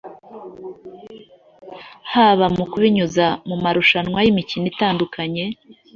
haba mu kubinyuza mu marushwanwa y’imikino itandukanye